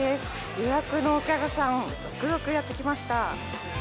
予約のお客さん、続々やってきました。